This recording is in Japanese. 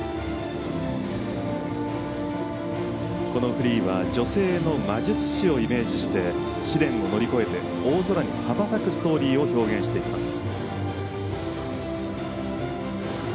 フリーは女性の魔術師をイメージして試練を乗り越えて大空へ羽ばたくストーリーを表現しています。